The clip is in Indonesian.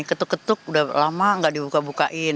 ketuk ketuk udah lama gak dibuka bukain